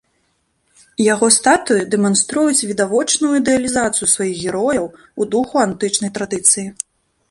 Яго статуі дэманструюць відавочную ідэалізацыю сваіх герояў у духу антычнай традыцыі.